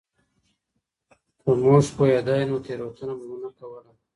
که موږ پوهیدای نو تېروتنه به مو نه کوله.